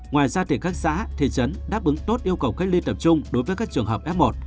ngoài ra thì các xã thị trấn đáp ứng tốt yêu cầu cách ly tập trung đối với các trường hợp f một